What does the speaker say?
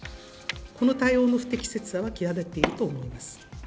この対応の不適切さは際立っていると思います。